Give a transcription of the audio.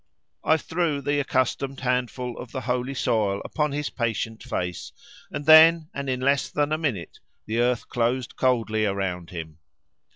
I threw the accustomed handful of the holy soil upon his patient face, and then, and in less than a minute, the earth closed coldly round him.